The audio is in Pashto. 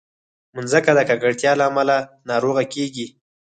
مځکه د ککړتیا له امله ناروغه کېږي.